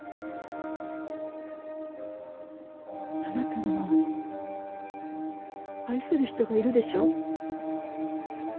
あなたにも愛する人がいるでしょ？